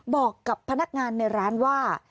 บอกกับพนักงานในร้านว่า